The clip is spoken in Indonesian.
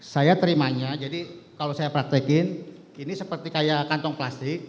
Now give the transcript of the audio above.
saya terimanya jadi kalau saya praktekin ini seperti kayak kantong plastik